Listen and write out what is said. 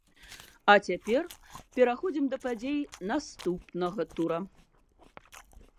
А цяпер пераходзім да падзей наступнага тура!